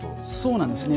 そうなんですね。